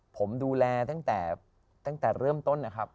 ผมดูแลตั้งแต่เริ่มต้นนะครับ